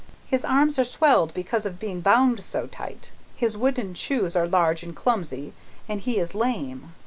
His arms are swelled because of being bound so tight, his wooden shoes are large and clumsy, and he is lame.